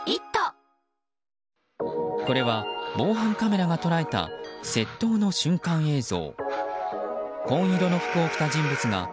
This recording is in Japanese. これは、防犯カメラが捉えた窃盗の瞬間映像。